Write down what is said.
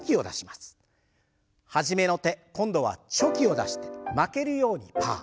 初めの手今度はチョキを出して負けるようにパー。